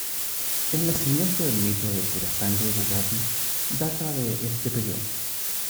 El nacimiento del mito del "Purasangre" Bugatti data de este periodo.